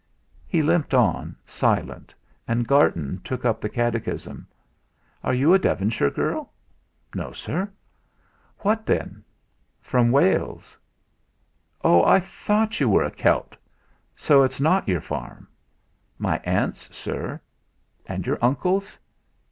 He limped on, silent, and Garton took up the catechism. "Are you a Devonshire girl?" "No, Sir." "What then?" "From Wales." "Ah! I thought you were a Celt; so it's not your farm?" "My aunt's, sir." "And your uncle's?"